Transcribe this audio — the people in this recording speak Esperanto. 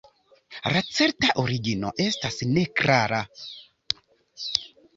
La certa origino estas neklara.